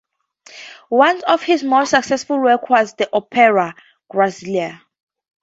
Once of his most successful works was the opera "Graziella".